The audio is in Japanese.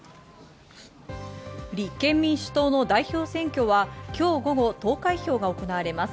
立憲民主党の代表選挙は今日午後、投開票が行われます。